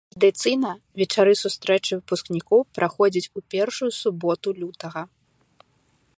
Традыцыйна вечары сустрэчы выпускнікоў праходзяць у першую суботу лютага.